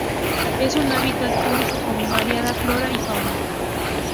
Es un hábitat único con variada flora y fauna.